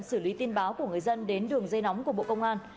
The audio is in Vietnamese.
xử lý tin báo của người dân đến đường dây nóng của bộ công an